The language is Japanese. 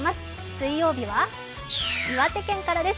水曜日は、岩手県からです。